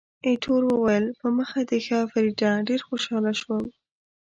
ایټور وویل، په مخه دې ښه فریډه، ډېر خوشاله شوم.